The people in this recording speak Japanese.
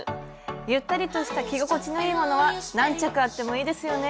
ゆったりとした着心地のいいものは何着あってもいいですよね。